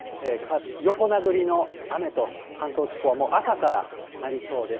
横殴りの雨と、関東地方はもう、朝からなりそうです。